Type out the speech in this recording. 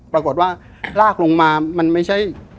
ปรากฏว่าลากลงมามันไม่ใช่